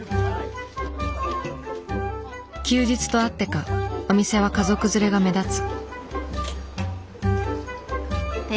休日とあってかお店は家族連れが目立つ。